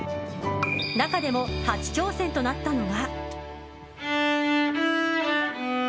中でも、初挑戦となったのが。